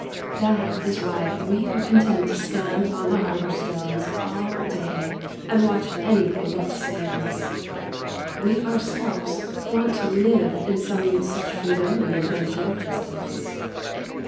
That is why we are content to stand on the harbour stones all day and watch anything with sails. We ourselves want to live in some such freedom and adventure as this.